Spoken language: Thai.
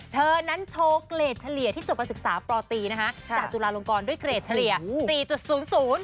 เธอนั้นโชว์เกรดเฉลี่ยที่จบกับศึกษาปตีนะฮะจากจุฬาลงกรด้วยเกรดเฉลี่ย๔๐๐คุณเอ้ย